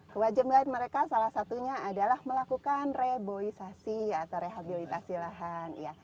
kewajiban mereka salah satunya adalah melakukan reboisasi atau rehabilitasi lahan